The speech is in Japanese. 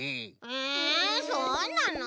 えそうなの？